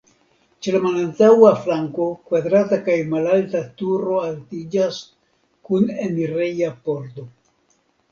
Ĉe la malantaŭa flanko kvadrata kaj malalta turo altiĝas kun enireja pordo.